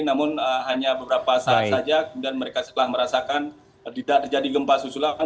namun hanya beberapa saat saja kemudian mereka setelah merasakan tidak terjadi gempa susulan